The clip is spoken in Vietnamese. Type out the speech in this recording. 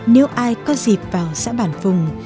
nếu ai có dịp vào xã bản phùng